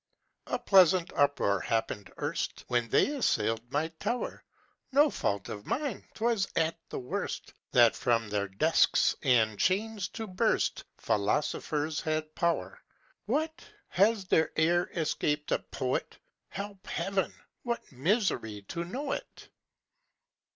"A pleasant uproar happened erst, When they assailed my tower! No fault of mine 'twas, at the worst, That from their desks and chains to burst Philosophers had power. What, has there e'er escaped a poet? Help, heaven! what misery to know it!